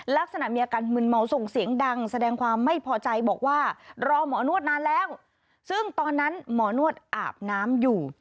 ลักษณะมีอาการมึนเมาส่งเสียงดังแสดงความไม่พอใจบอกว่ารอหมอนวดนานแล้วซึ่งตอนนั้นหมอนวดอาบน้ำอยู่